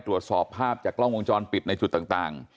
ตรวจสอบภาพจากกล้องวงจรปิดในจุดต่าง